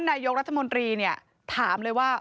นายกรัฐมนตรีเนี่ยถามเลยว่า